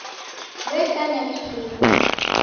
W'ekanya kichuku.